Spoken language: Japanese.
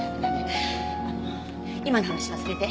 あの今の話忘れて。